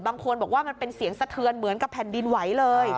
บางคนบอกว่ามันเป็นเสียงสะเทือนเหมือนกับแผ่นดินไหวเลย